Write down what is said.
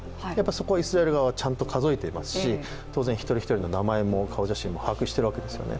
そこはイスラエル側はちゃんと数えていますし、当然、一人一人の名前も顔写真も把握しているわけですよね。